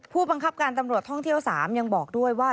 ผู้บังคับการตำรวจท่องเที่ยว๓ยังบอกด้วยว่า